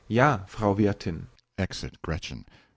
Ja, Frau Wirthin! (Exit GRETCHEN.)